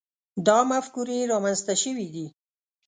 دا مفکورې رامنځته شوي دي.